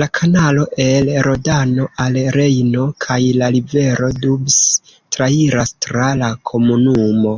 La kanalo el Rodano al Rejno kaj la rivero Doubs trairas tra la komunumo.